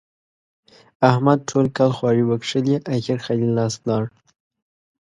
احمد ټول کال خواري وکښلې؛ اخېر خالي لاس ولاړ.